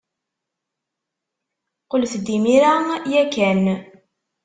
Qqlet-d imir-a ya kan.